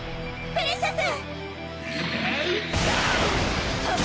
プレシャス！